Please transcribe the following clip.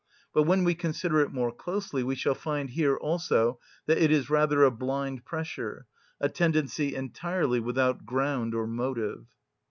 But when we consider it more closely, we shall find here also that it is rather a blind pressure, a tendency entirely without ground or motive.